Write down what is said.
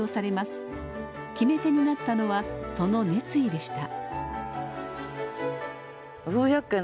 決め手になったのはその熱意でした。